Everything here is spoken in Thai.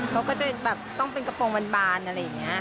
เขาก็จะแบบต้องเป็นกระโปรงบานอะไรอย่างนี้